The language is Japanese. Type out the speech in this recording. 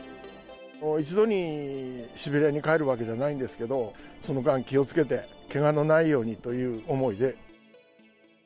一度にシベリアに帰るわけじゃないんですけど、その間、気をつけて、けがのないようにという思いで。